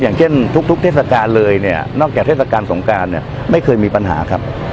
อย่างเช่นทุกเทศกาลเลยเนี่ยนอกจากเทศกาลสงการเนี่ยไม่เคยมีปัญหาครับ